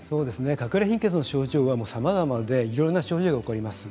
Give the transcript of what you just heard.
かくれ貧血の症状はさまざまでいろんな症状が起こります。